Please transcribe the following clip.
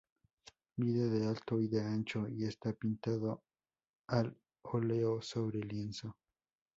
Mide de alto y de ancho, y está pintado al óleo sobre lienzo.